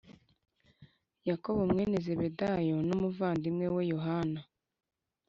Yakobo mwene zebedayo a n umuvandimwe we yohana